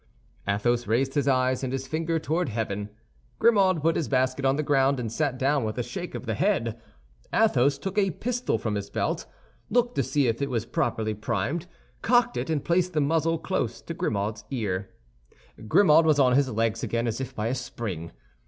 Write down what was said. Athos raised his eyes and his finger toward heaven. Grimaud put his basket on the ground and sat down with a shake of the head. Athos took a pistol from his belt, looked to see if it was properly primed, cocked it, and placed the muzzle close to Grimaud's ear. Grimaud was on his legs again as if by a spring.